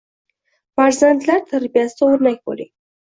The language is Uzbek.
Farzandlar tarbiyasida oʻrnak boʻling